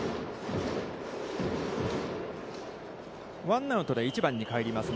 ワンアウトで１番に返ります。